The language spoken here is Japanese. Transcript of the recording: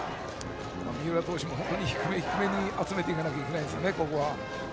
三浦投手も低め低めに集めていかないといけないです。